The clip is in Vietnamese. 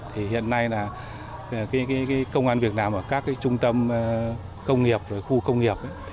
hiện nay công an việt nam ở các trung tâm công nghiệp khu công nghiệp